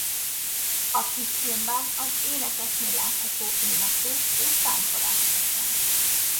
A kisfilmben az énekesnő látható éneklés és táncolás közben.